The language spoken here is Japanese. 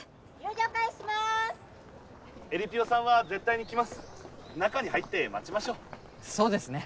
・えりぴよさんは絶対に来ます中に入って待ちましょうそうですね